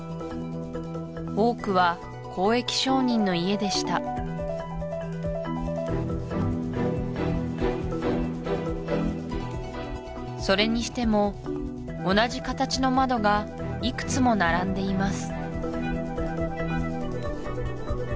多くは交易商人の家でしたそれにしても同じ形の窓がいくつも並んでいます